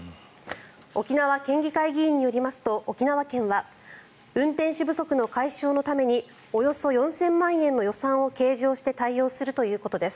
沖縄県議会議員によりますと沖縄県は運転手不足の解消のためにおよそ４０００万円の予算を計上して対応するということです。